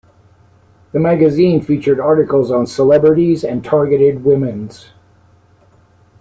The magazine featured articles on celebrities and targeted women's.